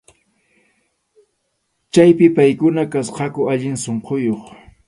Chaypi paykuna kasqaku allin sunquyuq.